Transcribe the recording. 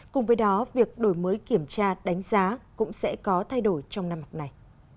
cùng với đó việc đổi mới kiểm tra đánh giá cũng sẽ có thay đổi trong năm học này